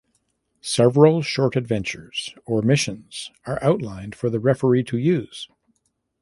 Several short adventures or missions are outlined for the referee to use.